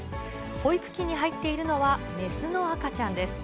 保育器に入っているのは雌の赤ちゃんです。